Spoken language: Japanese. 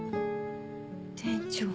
店長。